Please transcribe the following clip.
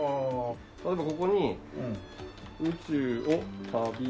例えばここに「宇宙を旅する電車」。